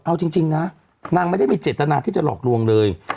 เอาจริงนะนางไม่ได้มีเจตนาที่จะหลอกลวงเลย